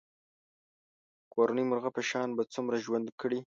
کورني مرغه په شان به څومره ژوند کړې.